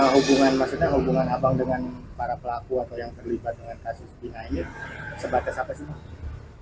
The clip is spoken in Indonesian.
hubungan maksudnya hubungan abang dengan para pelaku atau yang terlibat dengan kasus bina ini sebatas apa sih